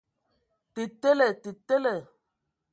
Tə tele! Tə tele.